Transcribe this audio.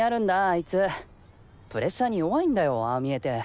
あいつプレッシャーに弱いんだよああ見えて。